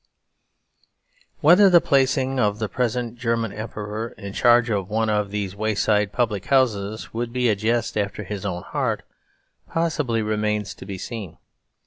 Whether the placing of the present German Emperor in charge of one of these wayside public houses would be a jest after his own heart possibly remains to be seen.